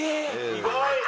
意外！